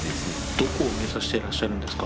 どこを目指してらっしゃるんですか？